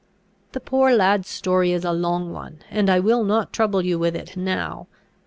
"The poor lad's story is a long one, and I will not trouble you with it now.